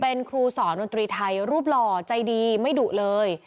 เป็นครูสอนดนตรีไทยรูปหล่อใจดีไม่ดุเลย